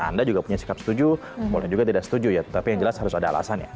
anda juga punya sikap setuju boleh juga tidak setuju ya tetapi yang jelas harus ada alasannya